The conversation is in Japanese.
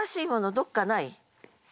どっかない？